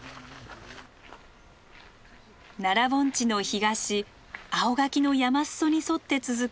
奈良盆地の東青垣の山裾に沿って続く